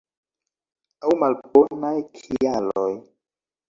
Aŭ malbonaj kialoj.